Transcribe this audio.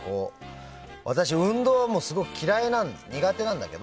私、運動はすごく嫌い苦手なんだけど。